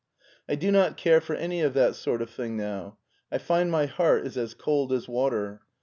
" I do not care for any of that sort of thing now. I find my heart is as cold as water.